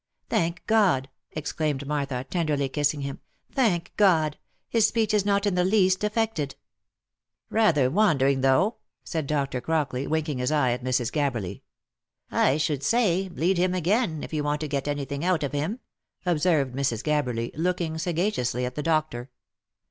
" Thank God !" exclaimed Martha, tenderly kissing him —" Thank God ! His speech is not in the least affected 1" " Rather wandering, though," said Dr. Crockley, winking his eye at Mrs. Gabberly. " I should say, bleed him again, if you want to get any thing out of him ;" observed Mrs. Gabberly, looking sagaciously at the doctor.